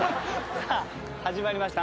さあ始まりました。